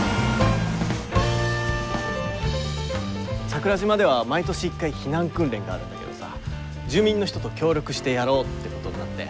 桜島では毎年１回避難訓練があるんだけどさ住民の人と協力してやろうってことになって。